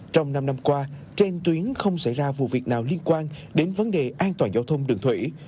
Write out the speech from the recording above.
trong năm năm qua trên tuyến không xảy ra vụ việc nào liên quan đến vấn đề an toàn giao thông đường thủy